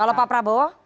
kalau pak prabowo